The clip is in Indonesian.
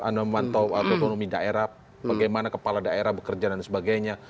anda memantau ekonomi daerah bagaimana kepala daerah bekerja dan sebagainya